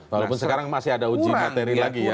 walaupun sekarang masih ada uji materi lagi ya